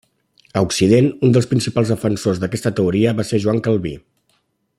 A occident, un dels principals defensors d'aquesta teoria va ser Joan Calví.